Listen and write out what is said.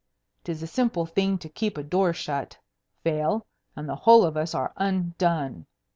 'Tis a simple thing to keep a door shut. Fail, and the whole of us are undone.